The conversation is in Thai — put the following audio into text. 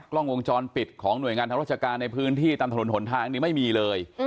กล้องวงจรปิดของหน่วยงานทางราชการในพื้นที่ตามถนนหนทางนี้ไม่มีเลย